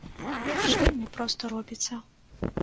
Гэта ж вельмі проста робіцца.